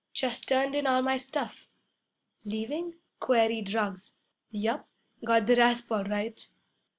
'Jus' turned in all my stuff.' 'Leaving?' queried Ruggs. 'Yep, got the rasp all right!'